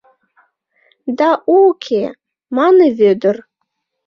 — Да уке, — мане Вӧдыр.